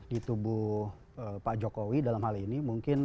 di tubuh pak jokowi dalam hal ini mungkin